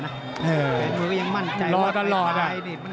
หนังหนูยังมั่นใจว่าขายไป